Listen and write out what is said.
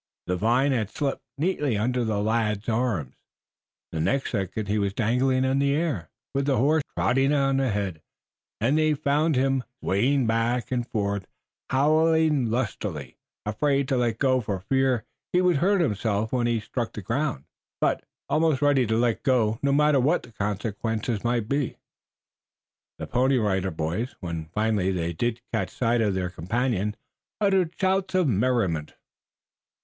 The vine had slipped neatly under the lad's arms. The next second he was dangling in the air, with the horse trotting on ahead. And there they found him, swaying back and forth, howling lustily, afraid to let go for fear he would hurt himself when he struck the ground, but almost ready to let go no matter what the consequences might be. The Pony Rider Boys, when finally they did catch sight of their companion, uttered shouts of merriment.